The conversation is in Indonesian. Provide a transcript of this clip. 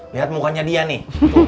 lihat mukanya dia nih